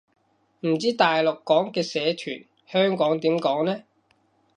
唔知大陸講嘅社團，香港點講呢